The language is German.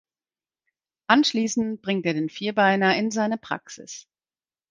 Anschließend bringt er den Vierbeiner in seine Praxis.